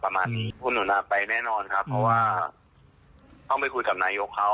แต่ถ้าเขาไม่ไปแล้วคือที่เเบียบข่าวออกว่า